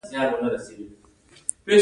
د فزیک پوښتنې هیڅکله نه خلاصېږي.